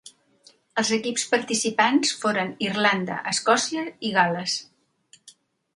Els equips participants foren Irlanda, Escòcia, i Gal·les.